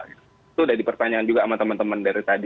itu sudah dipertanyakan juga sama teman teman dari tadi